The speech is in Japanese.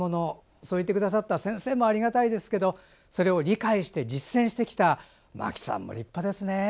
そう言ってくださった先生もありがたいですけどそれを理解して実践してきた牧さんも、立派ですね。